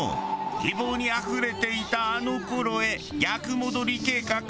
希望にあふれていたあの頃へ逆戻り計画を企てる。